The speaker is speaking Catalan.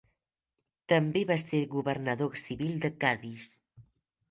També va ser governador civil de Cadis.